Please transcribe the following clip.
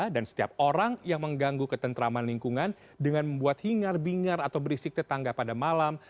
dan setiap orang yang mengganggu ketentraman lingkungan dengan membuat hingar bingar atau berisik tetangga pada malam